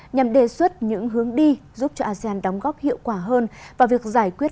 nhằm đề xuất những hướng đi giúp cho asean đóng góp hiệu quả hơn vào việc giải quyết